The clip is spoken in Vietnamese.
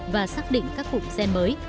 và xác định các cụm gen mới